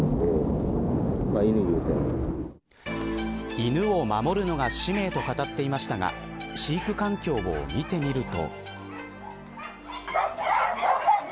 犬を守るのが使命と語っていましたが飼育環境を見てみると。